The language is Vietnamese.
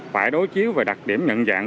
phải đối chiếu về đặc điểm nhận dạng